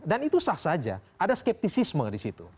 dan itu sah saja ada skeptisisme di situ